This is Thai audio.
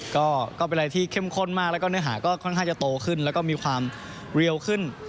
ก็เป็นอะไรที่เข้มข้นมากแล้วก็เนื้อหาก็ค่อนข้างจะโตขึ้นแล้วก็มีความเร็วขึ้น